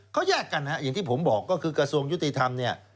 เขาแยกกันฮะอย่างที่ผมบอกก็คือกระทรวงยุติธรรมเนี่ย